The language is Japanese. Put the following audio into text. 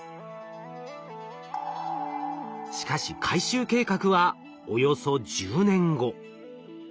しかし回収計画はおよそ１０年後。